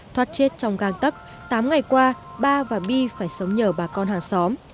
thoát chết trong găng tấc tám ngày qua ba và bi phải sống nhờ bà con hàng xóm